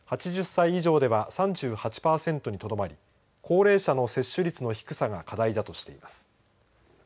８０歳以上では３８％にとどまり高齢者の接種率の低さが課題だとしています。